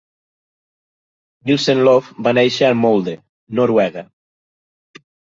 Nilssen-Love va néixer a Molde (Noruega).